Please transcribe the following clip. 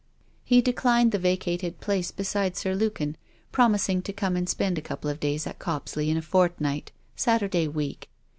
He declined the vacated place beside Sir Lukin, promising to come and spend a couple of days at Copsley in a fortnight Saturday week.